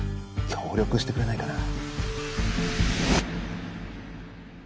協力してくれないかな。